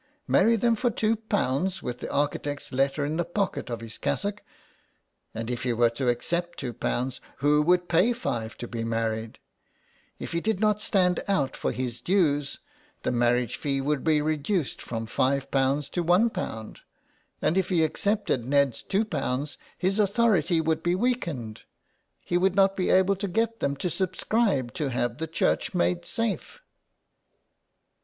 Marry them for two pounds with the architect's letter in the pocket of his cassock ! And if he were to accept two pounds, who would pay five to be married ? If he did not stand out for his dues the marriage fee would be reduced from five pounds to one pound. ... And if he accepted Ned's two pounds his authority would be weakened ; he would not be able to get them to subscribe to have the church made safe.